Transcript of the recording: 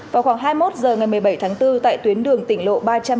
vào khoảng hai mươi một h ngày một mươi bảy tháng bốn tại tuyến đường tỉnh lộ ba trăm năm mươi